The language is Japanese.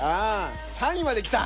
３位まできた。